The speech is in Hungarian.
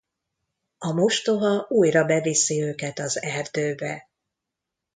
A mostoha újra beviszi őket az erdőbe.